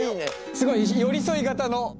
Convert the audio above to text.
すごい寄り添い型の。